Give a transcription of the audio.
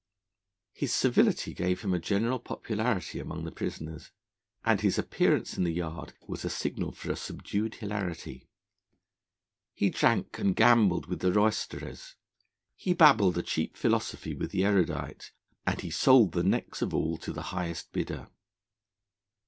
His civility gave him a general popularity among the prisoners, and his appearance in the Yard was a signal for a subdued hilarity. He drank and gambled with the roysterers; he babbled a cheap philosophy with the erudite; and he sold the necks of all to the highest bidder.